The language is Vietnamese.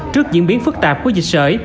trước diễn biến phức tạp của dịch sở